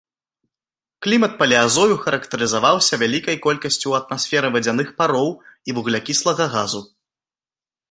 Клімат палеазою характарызаваўся вялікай колькасцю ў атмасферы вадзяных пароў і вуглякіслага газу.